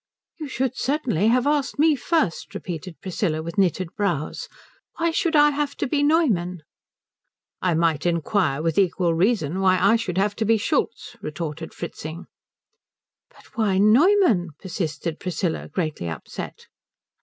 "You should certainly have asked me first," repeated Priscilla with knitted brows. "Why should I have to be Neumann?" "I might inquire with equal reason why I should have to be Schultz," retorted Fritzing. "But why Neumann?" persisted Priscilla, greatly upset.